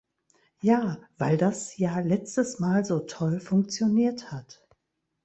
Ja, weil das ja letztes Mal so toll funktioniert hat!